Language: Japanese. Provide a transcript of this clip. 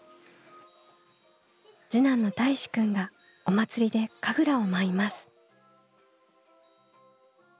次男のたいしくんがお祭りで神楽を舞います。